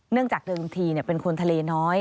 เนื่องจากเรื่องที่เนี่ยเป็นคนทะเลน้อย